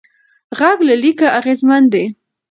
غږ له لیکه اغېزمن دی.